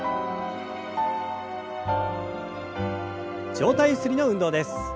上体ゆすりの運動です。